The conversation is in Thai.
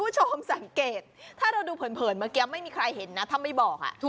ถ้าเราดูเปินเมื่อกี้ไม่มีใครเห็นทำไมบอก